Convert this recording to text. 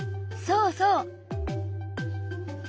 そうそう。